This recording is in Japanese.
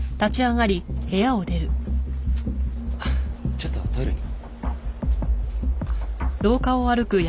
ちょっとトイレに。